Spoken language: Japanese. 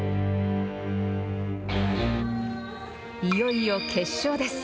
いよいよ決勝です。